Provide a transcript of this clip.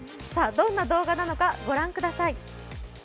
どんな動画なのか、ご覧ください。